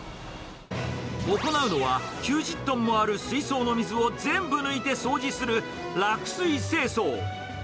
行うのは、９０トンもある水槽の水を全部抜いて掃除する、落水清掃。